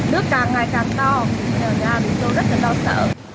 nước càng ngày càng to nhà bị trôi rất là lo sợ